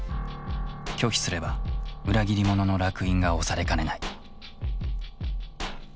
拒否すれば裏切り者の烙印が押されかねない。